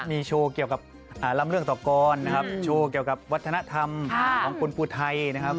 มีโชว์เกี่ยวกับลำเรื่องต่อกรนะครับโชว์เกี่ยวกับวัฒนธรรมของคุณภูไทยนะครับ